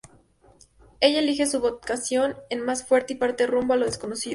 Ella elige: su vocación es más fuerte y parte rumbo a lo desconocido.